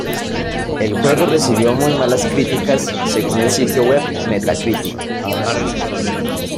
El juego recibió muy malas críticas según el sitio web Metacritic.